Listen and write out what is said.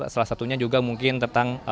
salah satunya juga mungkin tentang